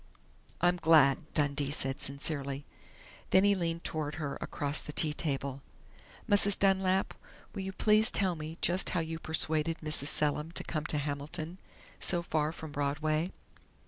"I'm glad," Dundee said sincerely. Then he leaned toward her across the tea table. "Mrs. Dunlap, will you please tell me just how you persuaded Mrs. Selim to come to Hamilton so far from Broadway?"